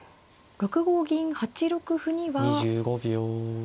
６五銀８六歩には。